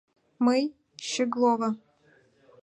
— Мый — Щеглово.